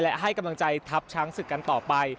และให้กำลังใจทับชั้นศึกรรมต่อไป